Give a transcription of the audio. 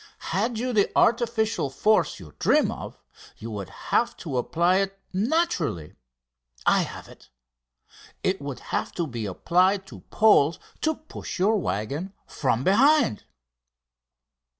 Had you the artificial force you dream of you would have to apply it naturally. I have it! It would have to be applied to poles to push your waggon from behind!"